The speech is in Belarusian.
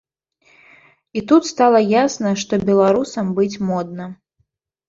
І тут стала ясна, што беларусам быць модна!